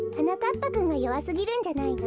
ぱくんがよわすぎるんじゃないの？